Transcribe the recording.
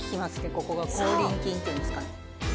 ここがそう口輪筋っていうんですかね